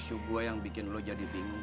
jujur gua yang bikin lo jadi bingung